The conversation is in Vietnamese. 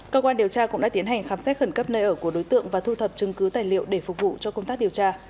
cơ quan điều tra cũng đã tiến hành khám xét khẩn cấp nơi ở của đối tượng và thu thập chứng cứ tài liệu để phục vụ cho công tác điều tra